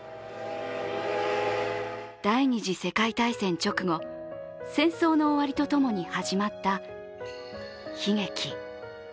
第二次世界大戦直後、戦争の終わりとともに始まった悲劇。